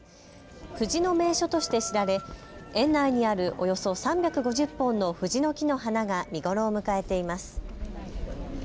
藤の名所として知られ園内にあるおよそ３５０本の藤の木の花が見頃を迎えています。